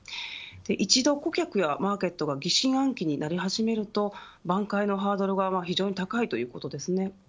一度、顧客やマーケットが疑心暗鬼になり始めるとばん回のハードル側が非常に高いということですね。